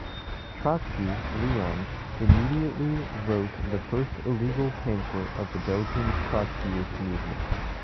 Trotsky, Leon immediately wrote the first illegal pamphlet of the Belgian Trotskyist movement.